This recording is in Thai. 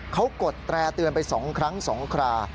เขากดแตร่เตือนไป๒ครั้ง๒ครา